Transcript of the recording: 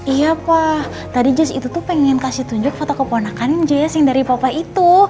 iya pa tadi jess itu tuh pengen kasih tunjuk foto keponakanin jessy dari papa itu